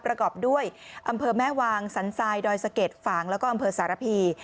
ประกอบด้วยอำเภอแม่วางสันทรายดอยสะเก็ดฝางแล้วก็อำเภอสารพี